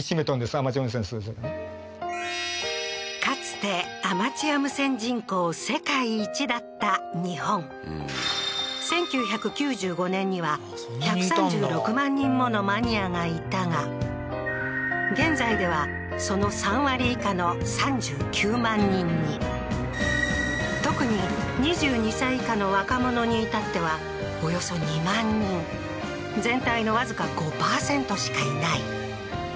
かつてアマチュア無線人口世界一だった日本１９９５年には１３６万人ものマニアがいたが現在ではその３割以下の３９万人に特に２２歳以下の若者に至ってはおよそ２万人全体のわずか５％しかいない